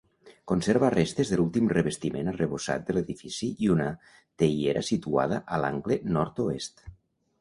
Conserva restes de l'últim revestiment arrebossat de l'edifici i una teiera situada a l'angle nord-oest.